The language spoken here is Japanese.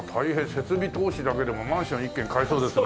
設備投資だけでもマンション１軒買えそうですね。